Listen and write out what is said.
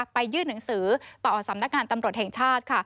ยื่นหนังสือต่อสำนักงานตำรวจแห่งชาติ